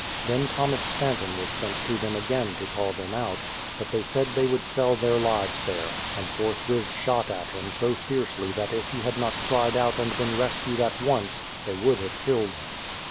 Then Thomas Stanton was sent to them again to call them out; but they said 290 BRADFORD'S HISTORY OP they would sell their lives there, and forthwith shot at him so fiercely that if he had not cried out and been rescued at once they would have killed him.